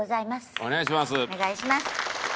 お願いします。